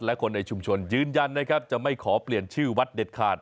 และคนในชุมชนยืนยันนะครับจะไม่ขอเปลี่ยนชื่อวัดเด็ดขาด